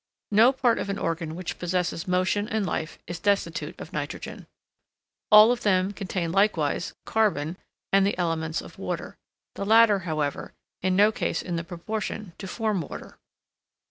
No part of an organ which possesses motion and life is destitute of nitrogen; all of them contain likewise carbon and the elements of water; the latter, however, in no case in the proportion to form water.